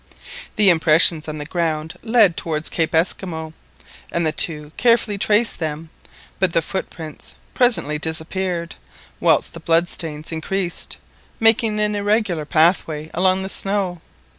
The impressions on the ground led towards Cape Esquimaux. And the two carefully traced them, but the footprints presently disappeared, whilst the blood stains increased, making an irregular pathway along the snow.